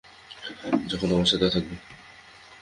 যখন আমার সাথে থাকবে।